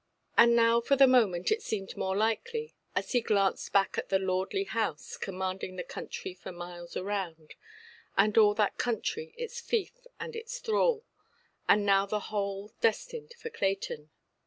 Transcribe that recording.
And now for the moment it seemed more likely, as he glanced back at the lordly house, commanding the country for miles around, and all that country its fief and its thrall, and now the whole destined for Clayton.